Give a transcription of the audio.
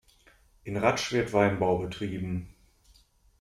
In Ratsch wird Weinbau betrieben.